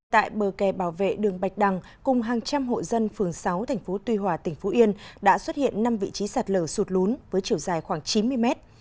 tại bờ kè bảo vệ đường bạch đằng cùng hàng trăm hộ dân phường sáu tp tuy hòa tỉnh phú yên đã xuất hiện năm vị trí sạt lở sụt lún với chiều dài khoảng chín mươi mét